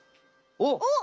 おっ！